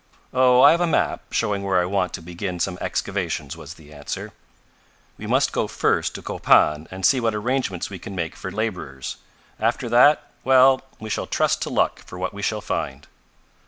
"Oh, I have a map, showing where I want to begin some excavations," was the answer. "We must first go to Copan and see what arrangements we can make for laborers. After that well, we shall trust to luck for what we shall find."